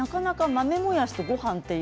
豆もやしのごはんです。